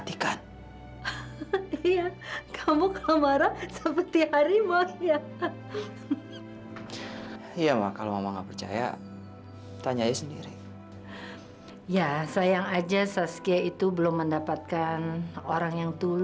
sampai jumpa di video selanjutnya